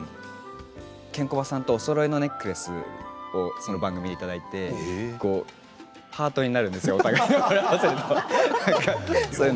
ケンコバさんとおそろいのネックレスをその番組でいただいてお互いやるとハートになるんですよ。